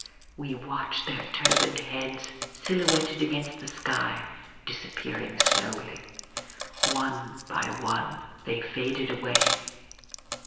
We watched their turbaned heads, sil houetted against the sky, disappear slowly. One by one they faded away.